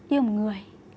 yêu một người